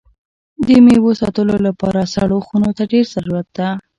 د میوو ساتلو لپاره سړو خونو ته ډېر ضرورت ده.